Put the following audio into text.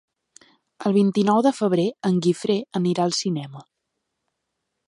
El vint-i-nou de febrer en Guifré anirà al cinema.